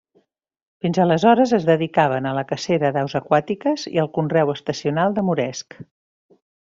Fins aleshores es dedicaven a la cacera d'aus aquàtiques i al conreu estacional de moresc.